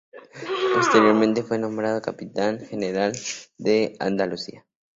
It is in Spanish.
Posteriormente fue nombrado capitán general de Andalucía.